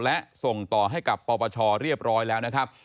และส่งต่อให้กับปชเรียบร้อยแล้ว